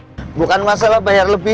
tapi ini bukan masalah apa siapa bayar lebih